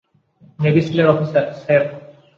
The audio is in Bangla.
নেভি সীলের অফিসার, স্যার।